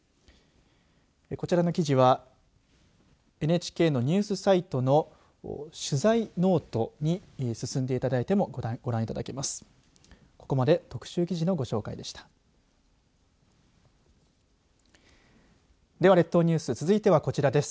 こちらの記事はＮＨＫのニュースサイトの取材ｎｏｔｅに進んでいただいてもご覧いただけます。